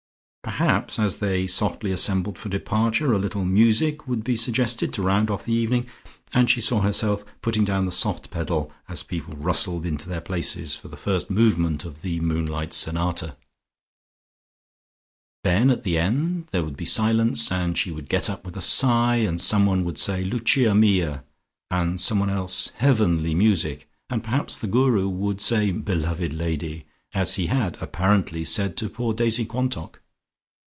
Perhaps as they softly assembled for departure, a little music would be suggested to round off the evening, and she saw herself putting down the soft pedal as people rustled into their places, for the first movement of the "Moonlight Sonata." Then at the end there would be silence, and she would get up with a sigh, and someone would say "Lucia mia"! and somebody else "Heavenly Music," and perhaps the Guru would say "Beloved lady," as he had apparently said to poor Daisy Quantock.